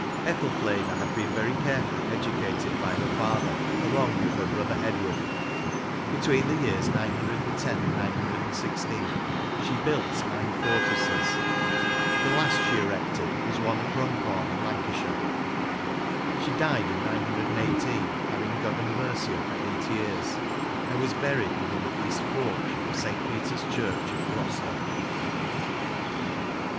Ethelfleda had been very careAilly educated by her father along with her brother Edward. Between the years 910 and 916 she built nine fortresses ; the last she erected was one at Runcorn^ in Lancashire. She died in 918, after having governed Mercia for eight years, and was buried within the east^porch of St. Peter s Church, at Gloucester.